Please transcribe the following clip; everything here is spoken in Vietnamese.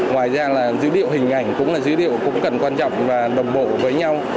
ngoài ra là dữ liệu hình ảnh cũng là dữ liệu cũng cần quan trọng và đồng bộ với nhau